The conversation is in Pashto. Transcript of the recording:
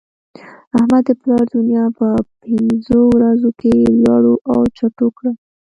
احمد د پلا دونيا په پنځو ورځو کې لړو او چټو کړه.